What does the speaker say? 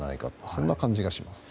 そんな感じがします。